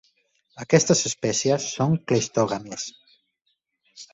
Aquestes espècies són cleistògames.